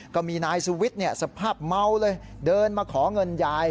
ก็มีนายสุวิทย์สภาพเมาเลยเดินมาขอเงินยาย